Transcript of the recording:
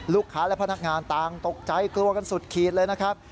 ลูกค้าและพนักงานต่างตกใจกลัวกันสุดขีดเลยนะครับ